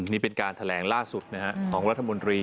นี่เป็นการแถลงล่าสุดของรัฐมนตรี